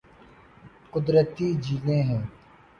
قدرتی جھیلیں ہیں